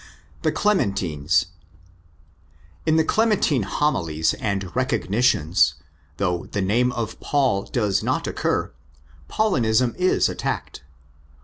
The Clementines. In the Clementine Homiliae and Recognitiones, though the name of Paul does not occur, Paulinism is attacked.